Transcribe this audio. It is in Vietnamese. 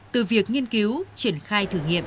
từ việc nghiên cứu triển khai thử nghiệm